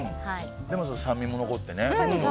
でも酸味も残ってね。